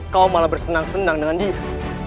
kau malah bersenang senang dengan diri